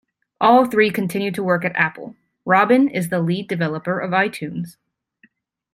All three continue to work at Apple; Robbin is the lead developer of iTunes.